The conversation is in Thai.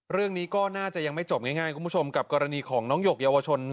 เรื่องนี้ก็น่าจะยังไม่จบง่ายคุณผู้ชมกับกรณีของน้องหยกเยาวชน